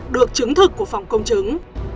được chứng thực của phòng công chứng